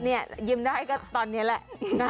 นี่ยิ้มได้ก็ตอนนี้แหละ